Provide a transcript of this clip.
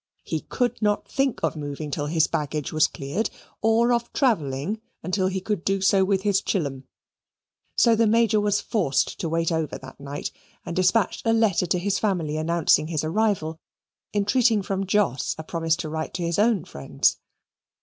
He could not think of moving till his baggage was cleared, or of travelling until he could do so with his chillum. So the Major was forced to wait over that night, and dispatched a letter to his family announcing his arrival, entreating from Jos a promise to write to his own friends.